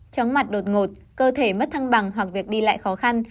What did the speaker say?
chóng mặt đột ngột cơ thể mất thăng bằng hoặc việc đi lại khó khăn